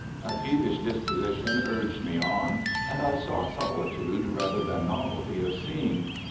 A peevish disposition urged me on, and I sought solitude rather than novelty of scene.